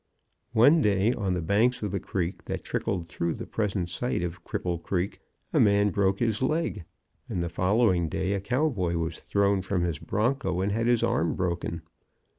One day on the banks of the creek that trickled through the present site of Cripple Creek a man broke his leg, and the following day a cowboy was thrown from his bronco and had his arm broken.